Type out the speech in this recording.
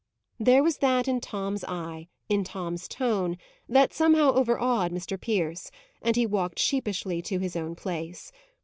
There was that in Tom's eye, in Tom's tone, that somehow over awed Mr. Pierce; and he walked sheepishly to his own place.